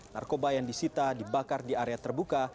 narkoba yang disita dibakar di area terbuka